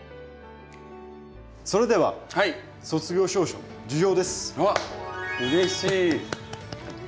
それでは卒業証書授与です。